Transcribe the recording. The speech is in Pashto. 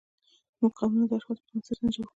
موږ قومونه د اشخاصو پر بنسټ سنجوو.